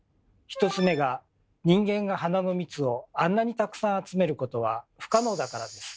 １つ目が人間が花の蜜をあんなにたくさん集めることは不可能だからです。